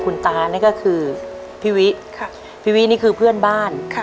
คุณตานี่ก็คือพี่วิพี่วินี่คือเพื่อนบ้าน